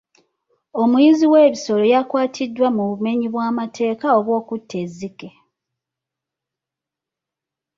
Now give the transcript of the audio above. Omuyizzi w'ebisolo yakwatiddwa mu bumenyi bw'amateeka obw'okutta ezzike.